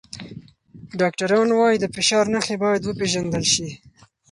ډاکټران وايي د فشار نښې باید وپیژندل شي.